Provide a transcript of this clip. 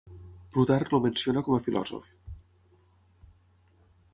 Plutarc el menciona com a filòsof.